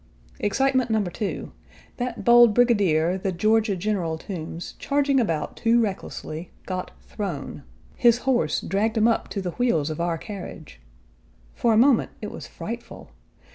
Excitement number two: that bold brigadier, the Georgia General Toombs, charging about too recklessly, got thrown. His horse dragged him up to the wheels of our carriage. For a moment it was frightful.